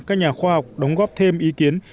các nhà khoa học đóng góp thêm ý kiến